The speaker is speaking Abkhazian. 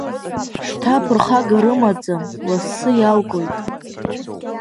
Шьҭа ԥырхага рымаӡам, лассы иалгоит…